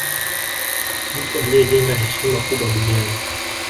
mtu aliye jenga heshima kubwa duniani